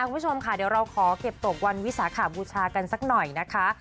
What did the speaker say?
ว่าวิศาคหาบูชาซักหน่อยนะครับ